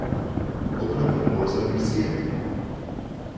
Open up the pores on your skin.